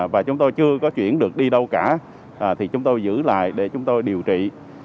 và chúng tôi chưa có chuyển được đi đâu cả thì chúng tôi giữ lại để chúng tôi điều trị